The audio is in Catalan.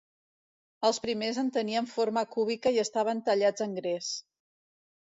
Els primers en tenien forma cúbica i estaven tallats en gres.